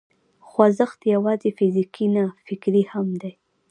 خوځښت یوازې فزیکي نه، فکري هم دی.